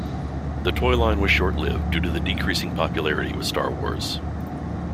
The toy line was short lived due to decreasing popularity with Star Wars.